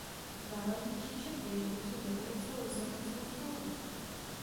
Závažnější však je, že dosud nepodepsal Lisabonskou smlouvu.